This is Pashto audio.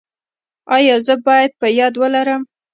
ایا زه باید په یاد ولرم؟